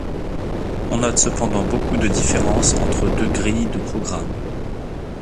On note cependant beaucoup de différences entre deux grilles de programmes..